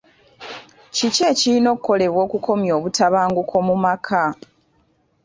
Kiki ekirina okukolebwa okukomya obutabanguko mu maka?